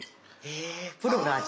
えプロの味。